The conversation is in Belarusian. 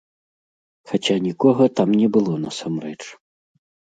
Хаця нікога там не было насамрэч.